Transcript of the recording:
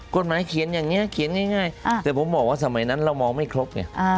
กฎหมายเขียนอย่างนี้เขียนง่ายแต่ผมบอกว่าสมัยนั้นเรามองไม่ครบไง